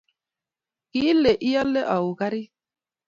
Kile iole au karit?